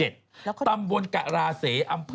ตำบลกราเสอำเภอ